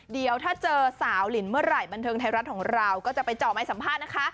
เดี๋ยวถ้าเจอสาวลินเมื่อไหร่บันเทิงไทยรัฐของเราก็จะไปเจาะไม้สัมภาษณ์นะคะ